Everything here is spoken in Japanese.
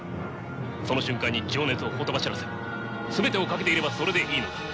その瞬間に情熱をほとばしらせ全てを懸けていればそれでいいのだ。